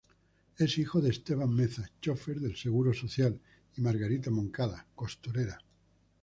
Es hijo de Esteban Meza, chofer del Seguro Social y Margarita Moncada, costurera.